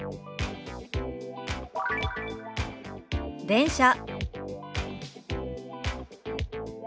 「電車」。